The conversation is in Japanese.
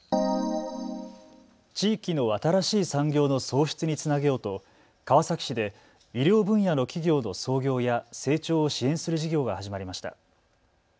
地域の新しい産業の創出につなげようと川崎市で医療分野の企業の創業や成長を支援する事業が始まりました。